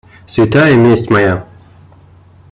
Святая месть моя!